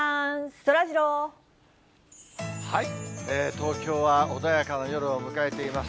東京は穏やかな夜を迎えています。